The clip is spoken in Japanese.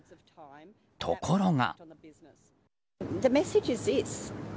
ところが。